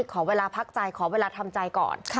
ขอเวลาพักใจขอเวลาทำใจก่อน